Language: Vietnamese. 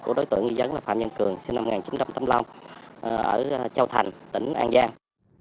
của đối tượng nghi dấn là phạm nhân cường sinh năm một nghìn chín trăm tám mươi năm ở châu thành tỉnh an giang